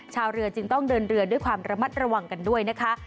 ชาวเรือจึงต้องเดินเรือด้วยความระมัดระวังกันด้วยนะคะ